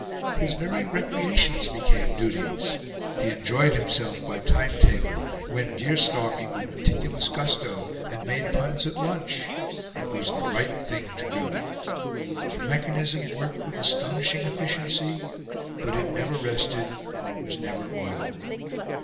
His very recreations became duties. He enjoyed himself by time table, went deer stalking with meticulous gusto, and made puns at lunch it was the right thing to do. The mechanism worked with astonishing efficiency, but it never rested and it was never oiled.